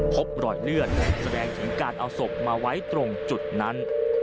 พบรอยเลือดแสดงถึงการเอาศพมาไว้ตรงจุดนั้น